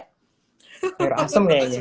sayur asem kayaknya